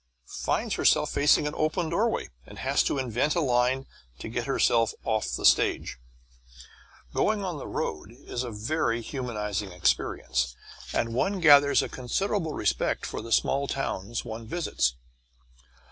finds herself facing an open doorway and has to invent a line to get herself off the stage. Going on the road is a very humanizing experience and one gathers a considerable respect for the small towns one visits.